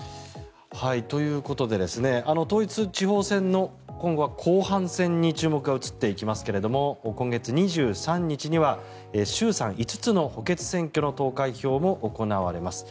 ということで統一地方選の、今後は後半戦に注目が移っていますけども今月２３日には衆参５つの補欠選挙の投開票も行われます。